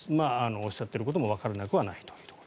おっしゃっていることもわからなくはないと。